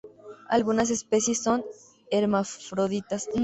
Algunas especies son hermafroditas.